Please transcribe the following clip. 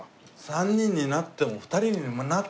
３人になっても２人になってもですね